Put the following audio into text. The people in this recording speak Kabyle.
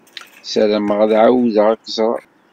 Sarameɣ ad ɛawdeɣ ad k-ẓreɣ.